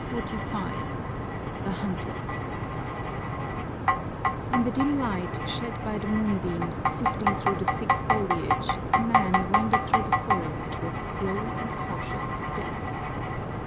CHAPTER XLV The Hunted In the dim light shed by the moonbeams sifting through the thick foliage a man wandered through the forest with slow and cautious steps.